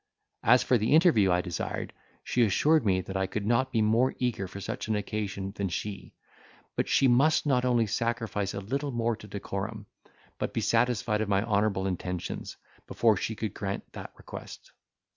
As for the interview I desired, she assured me, that I could not be more eager for such an occasion than she; but she must not only sacrifice a little more to decorum, but be satisfied of my honourable intentions, before she could grant that request.